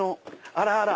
あらあら！